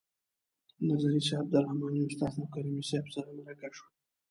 نظري صیب د رحماني استاد او کریمي صیب سره مرکه شو.